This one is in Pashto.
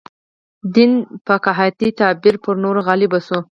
دین فقاهتي تعبیر پر نورو غالب شو.